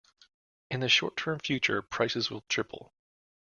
In the short term future, prices will triple.